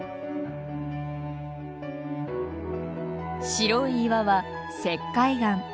白い岩は石灰岩。